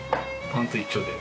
パンツ一丁で。